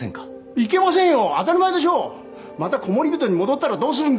いけませんよ当たり前でしょまたコモリビトに戻ったらどうするんですか